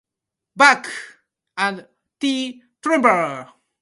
Bock, and T. Trembur.